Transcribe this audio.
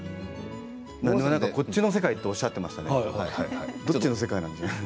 こっちの世界とおっしゃっていましたけれどもどっちの世界なんでしょうね。